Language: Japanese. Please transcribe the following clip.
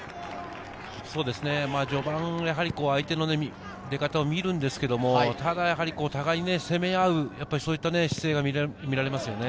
序盤は相手の出方を見るんですけど、お互い攻め合う、そういった姿勢が見られますよね。